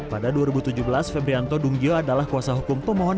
pada dua ribu tujuh belas febrianto dunggio adalah kuasa hukum pemohon